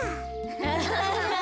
アハハハ。